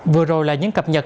vừa rồi là những cập nhật